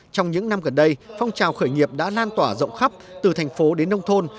trong những năm gần đây phong trào khởi nghiệp đã lan tỏa rộng khắp từ thành phố đến nông thôn